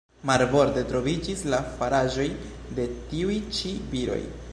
Marborde, troviĝis la faraĵoj de tiuj-ĉi viroj.